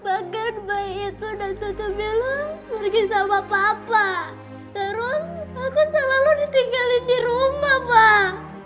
bahkan bayi itu dan tutup dulu pergi sama papa terus aku selalu ditinggalin di rumah pak